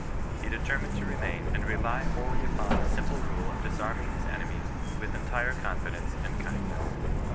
He determined to remain, and rely wholly upon the simple rule of disarming his enemies with entire confix dence and kindness.